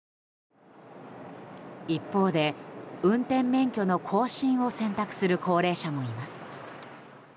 一方で、運転免許の更新を選択する高齢者もいます。